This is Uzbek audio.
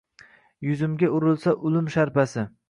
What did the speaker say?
Yuzimga urilsa ulim sharpasi